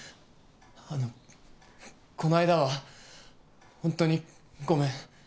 あのこの間は本当にごめん。